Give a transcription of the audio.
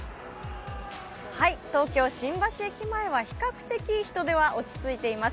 東京・新橋駅前は比較的人出は落ち着いています。